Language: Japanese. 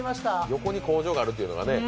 横に工場があるというのはね。